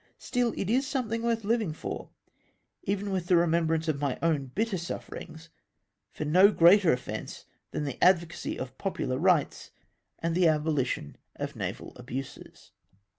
Still it is something worth hving for — even with the remembrance of my own bitter sufferings, for no greater offence tlian the advocacy of popular rights, and the abohtion of naval abuses.